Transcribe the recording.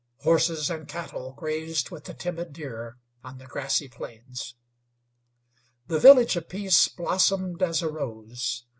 Horses and cattle grazed with the timid deer on the grassy plains. The Village of Peace blossomed as a rose.